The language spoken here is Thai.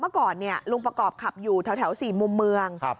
เมื่อก่อนลุงประกอบขับอยู่แถว๔มุมเมือง